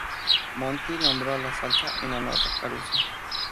Monti nombró a la salsa en honor a Caruso.